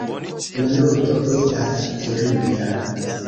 La loto estas tirita.